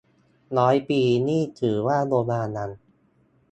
ร้อยปีนี่ถือว่าโบราณยัง